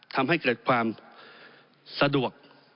ทำให้เกิดความสะดวก